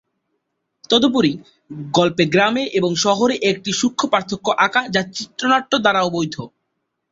তদুপরি, গল্পে গ্রামে এবং শহরের একটি সূক্ষ্ম পার্থক্য আঁকা যা চিত্রনাট্য দ্বারাও বৈধ।